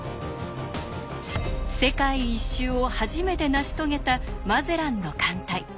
世界一周を初めて成し遂げたマゼランの艦隊。